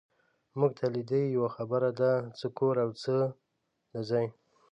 مونږ ته لیدې، یوه خبره ده، څه کور او څه دا ځای.